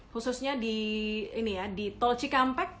khususnya di tol cikampek